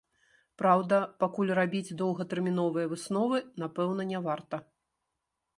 Праўда, пакуль рабіць доўгатэрміновыя высновы, напэўна, не варта.